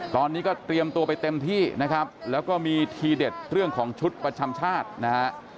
ตอนนี้ก็เตรียมตัวไปเต็มที่นะครับแล้วก็มีทีเด็ดเรื่องของชุดประจำชาตินะฮะ